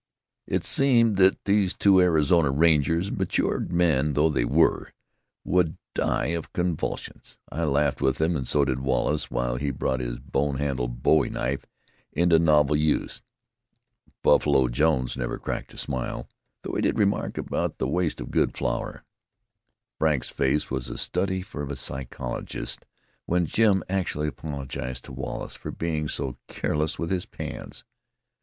It seemed that those two Arizona rangers, matured men though they were, would die of convulsions. I laughed with them, and so did Wallace, while he brought his bone handled bowie knife into novel use. Buffalo Jones never cracked a smile, though he did remark about the waste of good flour. Frank's face was a study for a psychologist when Jim actually apologized to Wallace for being so careless with his pans.